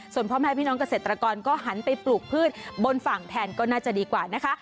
ส่วนพ่อแม่พี่น้องเกษตรกรก็หันไปปลูกพืชบนฝั่งแทนก็น่าจะดีกว่านะคะ